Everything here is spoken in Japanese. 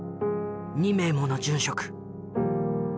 ２名もの殉職。